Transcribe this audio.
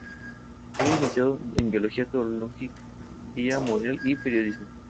Es licenciado en Biología, Teología Moral y Periodismo.